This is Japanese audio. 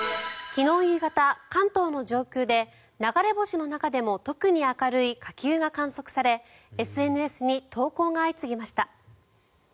昨日夕方、関東上空で流れ星の中でも特に明るい火球が観測されＳＮＳに投稿が相次ぎました。